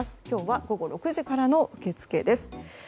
今日は午後６時からの受け付けです。